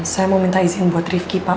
saya mau minta izin buat rifki pak